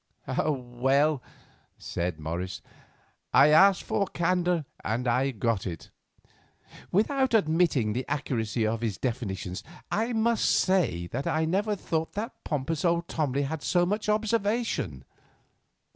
"Well," said Morris, "I asked for candour and I have got it. Without admitting the accuracy of his definitions, I must say that I never thought that pompous old Tomley had so much observation."